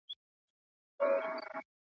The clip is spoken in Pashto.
کونړ او خیبر پوري ټولو پښتنو لبیک ویلی دی .